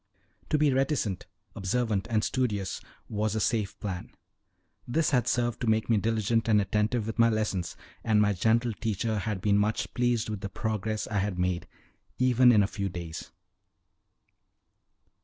To be reticent, observant, and studious was a safe plan; this had served to make me diligent and attentive with my lessons, and my gentle teacher had been much pleased with the progress I had made, even in a few days.